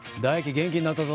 元気になったぞ。